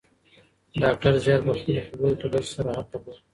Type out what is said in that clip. ډاکټر زیار په خپلو خبرو کي ډېر صراحت درلود.